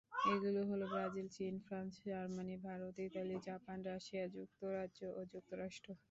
এগুলো হলো ব্রাজিল, চীন, France, Germany, Bharat, Italy, Japan, Russia, যুক্তরাজ্য ও যুক্তরাষ্ট্র।